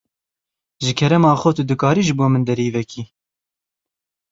Ji kerema xwe tu dikarî ji bo min derî vekî.